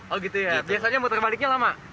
oh gitu ya biasanya muter baliknya lama